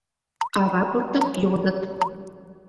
А рапортым йодыт.